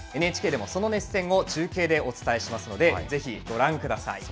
ＮＨＫでもその熱戦を中継でお伝えしますので、ぜひご覧ください。